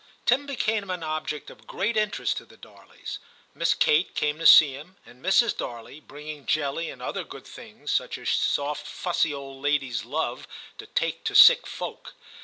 Tim became an object of great interest to the Darleys : Miss Kate came to see him, and Mrs. Darley, bringing jelly and other good things, such as soft fussy old ladies love to take to sick folk.